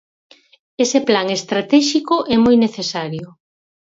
Ese plan estratéxico é moi necesario.